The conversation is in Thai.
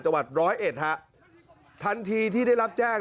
จัวรรดิ์๑๐๑ครับทันทีที่ได้รับแจ้ง